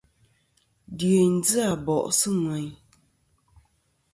Dyèyn ji Abòʼ sɨ̂ ŋweyn.